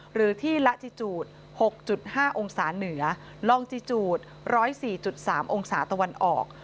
หรือที่ละจิจูด๖๕องศาเหนือลองจิจูด๑๐๔๓องศาตะวันออก